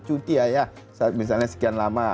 cuti ayah misalnya sekian lama